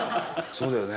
そうだよね。